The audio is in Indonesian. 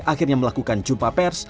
akhirnya melakukan jumpa pers